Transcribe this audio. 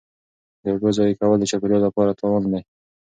د اوبو ضایع کول د چاپیریال لپاره تاوان دی.